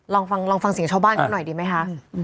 ลองฟังเสียงชาวบ้านเขาหน่อยดีไหมคะ